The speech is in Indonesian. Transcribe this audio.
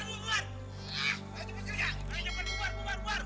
kalau udah dia dalam masalah